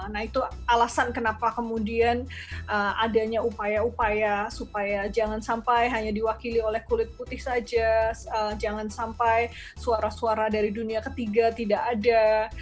nah itu alasan kenapa kemudian adanya upaya upaya supaya jangan sampai hanya diwakili oleh kulit putih saja jangan sampai suara suara dari dunia ketiga tidak ada